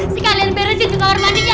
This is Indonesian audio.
sekalian beresin suara mandinya